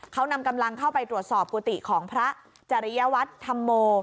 เขานำกำลังเข้าไปตรวจสอบกุฏิของพระจริยวัตรธรรมโม